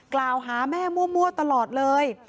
กล่าวหาแม่มั่วตลอดเลย